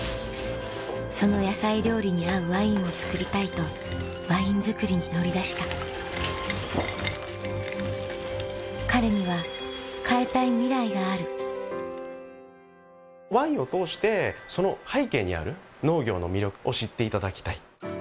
その野菜料理に合うワインを造りたいとワイン造りに乗り出した彼には変えたいミライがあるワインを通してその背景にある農業の魅力を知っていただきたい。